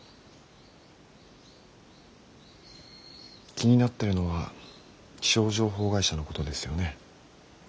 気になってるのは気象情報会社のことですよね。